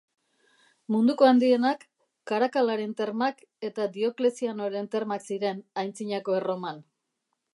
Munduko handienak, Karakalaren Termak eta Dioklezianoren Termak ziren, Antzinako Erroman.